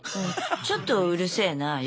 ちょっとうるせえな夜。